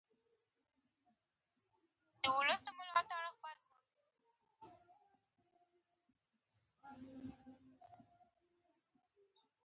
آب وهوا د افغانانو د تفریح لپاره یوه وسیله ده.